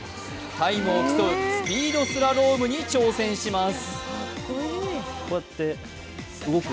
タイムを競うスピードスラロームに挑戦します。